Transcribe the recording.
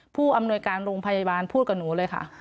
ผู้อำนวยการโรงพยาบาลพูดกับหนูเลยค่ะ